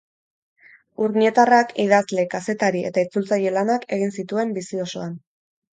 Urnietarrak idazle, kazetari eta itzultzaile lanak egin zituen bizi osoan.